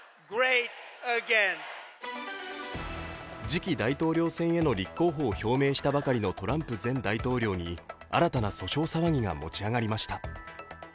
次期大統領選への立候補を表明したばかりのトランプ前大統領に新たな訴訟騒ぎが持ち上がりました。